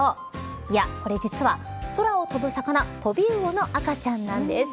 いや、これ、実は空を飛ぶ魚トビウオの赤ちゃんなんです。